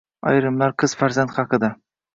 Ayrimlar qiz farzand haqida: